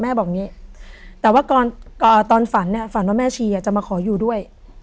บอกอย่างนี้แต่ว่าตอนฝันเนี่ยฝันว่าแม่ชีจะมาขออยู่ด้วย